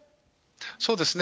そうですね。